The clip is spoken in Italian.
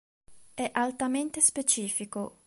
È altamente specifico.